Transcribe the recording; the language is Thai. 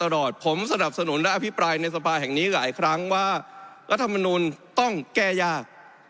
และอภิปรายในสภาแห่งนี้หลายครั้งว่ารัฐธรรมนูลต้องแก้ยาก